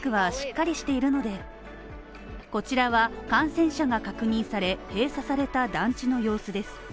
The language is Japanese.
こちらは感染者が確認され閉鎖された団地の様子です。